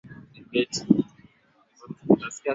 kuweka ulinzi mkubwa mkali kwa watu wanaomchagua rais wao